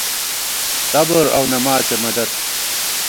صبر اؤ نماڅے مدد